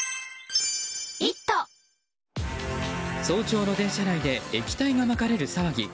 早朝の電車内で液体がまかれる騒ぎ。